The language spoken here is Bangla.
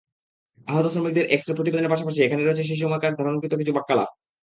আহত শ্রমিকদের এক্স-রে প্রতিবেদনের পাশাপাশি এখানে রয়েছে সেই সময়কার ধারণকৃত কিছু বাক্যালাপ।